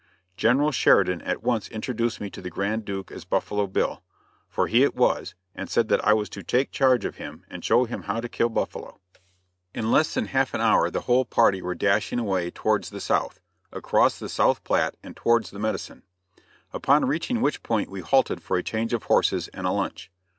General Sheridan at once introduced me to the Grand Duke as Buffalo Bill, for he it was, and said that I was to take charge of him and show him how to kill buffalo. In less than half an hour the whole party were dashing away towards the south, across the South Platte and towards the Medicine; upon reaching which point we halted for a change of horses and a lunch.